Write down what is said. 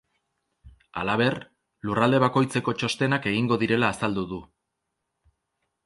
Halaber, lurralde bakoitzeko txostenak egingo direla azaldu du.